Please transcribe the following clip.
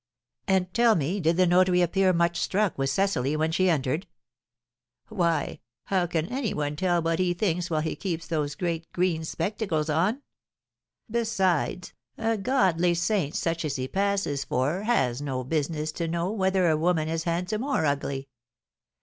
"And tell me, did the notary appear much struck with Cecily when she entered?" "Why, how can any one tell what he thinks while he keeps those great green spectacles on? Besides, a godly saint such as he passes for has no business to know whether a woman is handsome or ugly.